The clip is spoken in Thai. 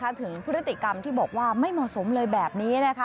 ถึงพฤติกรรมที่บอกว่าไม่เหมาะสมเลยแบบนี้นะคะ